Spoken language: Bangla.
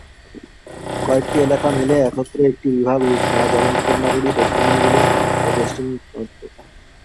কয়েকটি এলাকা মিলে একত্রে একটি বিভাগে রূপ নেয়, যেমন "উত্তর নগরী", "দক্ষিণ নগরী" ও "মধ্য পশ্চিম প্রান্ত"।